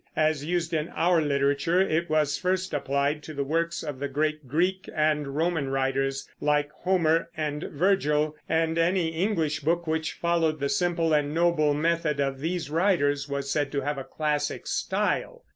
As used in our literature, it was first applied to the works of the great Greek and Roman writers, like Homer and Virgil; and any English book which followed the simple and noble method of these writers was said to have a classic style.